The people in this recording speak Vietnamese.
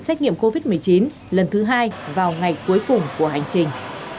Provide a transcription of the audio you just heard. xét nghiệm covid một mươi chín lần thứ hai vào ngày cuối cùng của hành trình